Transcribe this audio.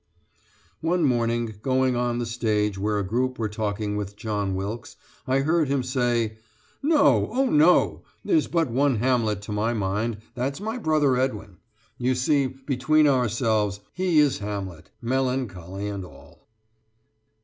One morning, going on the stage where a group were talking with John Wilkes, I beard him say: "No; oh, no: There's but one Hamlet to my mind that's my brother Edwin. You see, between ourselves, he is Hamlet melancholy and all!"